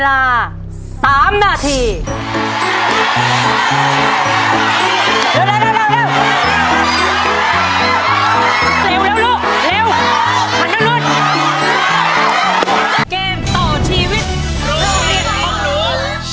ในแคมเปญพิเศษเกมต่อชีวิตโรงเรียนของหนู